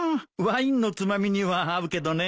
ワインのつまみには合うけどね。